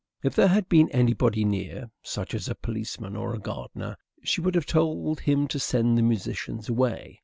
If there had been anybody near, such as a policeman or a gardener, she would have told him to send the musicians away.